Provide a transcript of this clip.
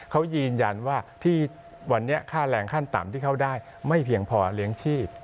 เขายืนยันว่าที่วันนี้ค่าแรงขั้นต่ำที่เขาได้ไม่เพียงพอเลี้ยงชีพ